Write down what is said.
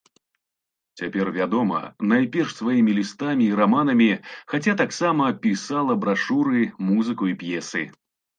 Цяпер вядома найперш сваімі лістамі і раманамі, хаця таксама пісала брашуры, музыку і п'есы.